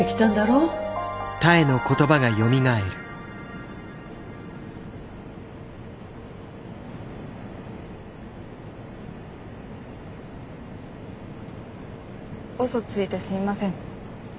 うそついてすいません。